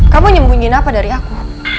kamu nyembunyiin apa dari aku